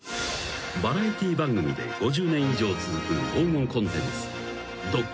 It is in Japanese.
［バラエティー番組で５０年以上続く黄金コンテンツ］